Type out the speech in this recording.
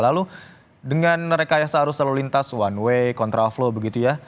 lalu dengan rekayasa arus lalu lintas one way contraflow begitu ya